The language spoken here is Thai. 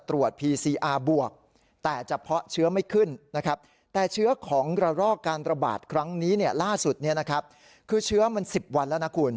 ล่าสุดคือเชื้อมัน๑๐วันแล้วนะคุณ